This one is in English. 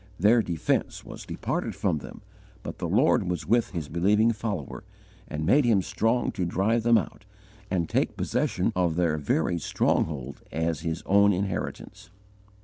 Their defence was departed from them, but the Lord was with His believing follower, and made him strong to drive them out and take possession of their very stronghold as his own inheritance.